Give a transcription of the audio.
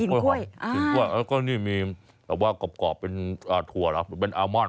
หอมกล้วยหอมหอมกล้วยหอมแล้วก็นี่มีแบบว่ากรอบเป็นถั่วละเป็นอัลมอนด์